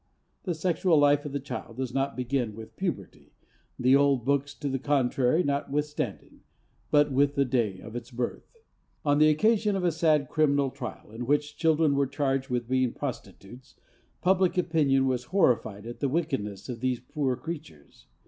The sexual life of the child does not begin with puberty, the old books to the contrary notwithstanding, but with the day of its birth. On the occasion of a sad criminal trial in which children were charged with being prostitutes, public opinion was horrified at the wickedness of these poor creatures.